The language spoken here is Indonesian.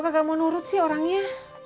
lo kagak mau nurut sih orangnya